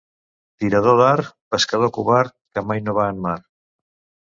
Tirador d'art, pescador covard que mai no va en mar.